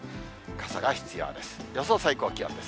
傘が必要です。